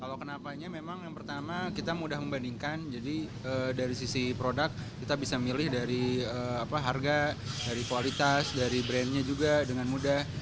kalau kenapanya memang yang pertama kita mudah membandingkan jadi dari sisi produk kita bisa milih dari harga dari kualitas dari brandnya juga dengan mudah